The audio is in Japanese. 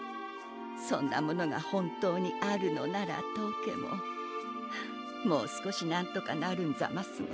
そんなものがほんとうにあるのならとうけももうすこしなんとかなるんざますが。